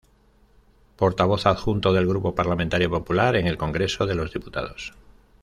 Portavoz Adjunto del Grupo Parlamentario Popular en el Congreso de los Diputados.